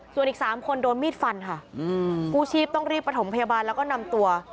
ส่วนอีก๓คนโดนมีดฟันค่ะกู้ชีพต้องรีบประถมพยาบาลแล้วก็นำตัว